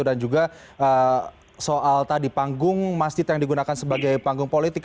dan juga soal tadi panggung masjid yang digunakan sebagai panggung politik